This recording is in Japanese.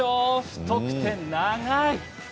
太くて長い。